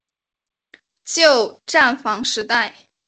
旧站房时代。